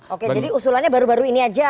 oke jadi usulannya baru baru ini aja